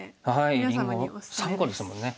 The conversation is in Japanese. りんご３個ですもんね。